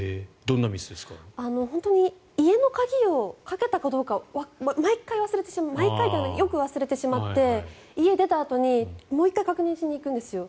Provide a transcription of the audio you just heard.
家の鍵をかけたかどうかよく忘れてしまって家を出たあとにもう１回確認しに行くんですよ。